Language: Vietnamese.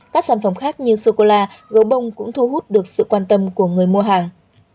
các sản phẩm khác như sô cô la gấu bông cũng thu hút được sự quan tâm của người mua hàng